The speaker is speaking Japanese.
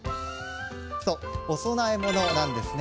そう、お供え物なんです。